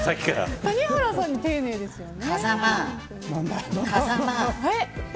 谷原さんに丁寧ですよね。